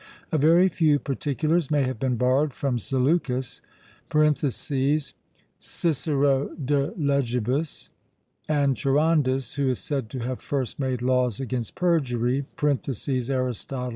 A very few particulars may have been borrowed from Zaleucus (Cic. de Legibus), and Charondas, who is said to have first made laws against perjury (Arist.